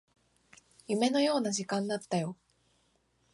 夢のような時間だったよ